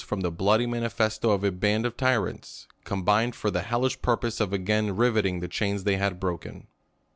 from the bloody manifesto of a band of tyrants, combined for the hellish purpose of again rivetting the chains they had broken.